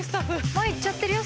前行っちゃってるよ